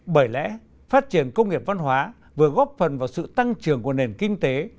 bởi lẽ phát triển công nghiệp văn hóa vừa góp phần vào sự tăng trưởng của nền kinh tế